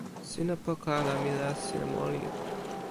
sina poka ala mi la sina moli.